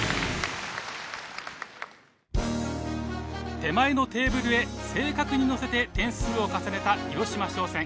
手前のテーブルへ正確にのせて点数を重ねた広島商船。